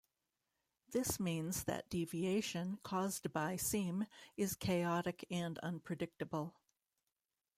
This means that deviation caused by seam is chaotic and unpredictable.